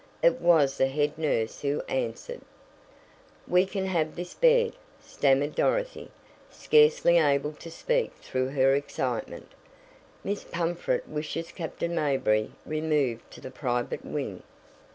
It was the head nurse who answered. "We can have this bed," stammered Dorothy, scarcely able to speak through her excitement. "Miss Pumfret wishes Captain Mayberry removed to the private wing."